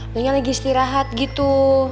mungkin lagi istirahat gitu